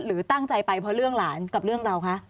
หรือตั้งใจไปเพราะเรื่องหลานกับเรื่องเราคะ